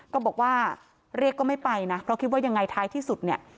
ก็บอกว่าเรียกก็ไม่ไปนะเพราะคิดว่ายังไงท้ายที่สุดเนี่ย